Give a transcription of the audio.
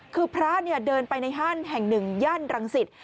คือพระเดินไปในห้านแห่งหนึ่งย่านรังสิต